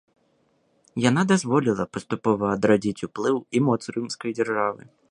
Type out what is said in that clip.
Яна дазволіла паступова адрадзіць уплыў і моц рымскай дзяржавы.